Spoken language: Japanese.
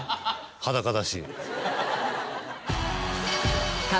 裸だし。